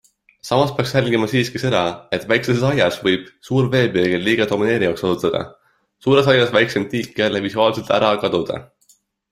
Samas peaks jälgima siiski seda, et väikseses aias võib suur veepeegel liiga domineerivaks osutuda, suures aias väiksem tiik jälle visuaalselt ära kaduda.